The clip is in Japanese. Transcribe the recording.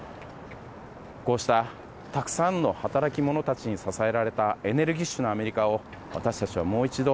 こうしたたくさんの働き者たちに支えられたエネルギッシュなアメリカを私たちはもう一度